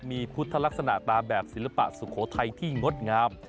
มีพุทธลักษณะตามแบบศิลปะสุโขทัยที่งดงาม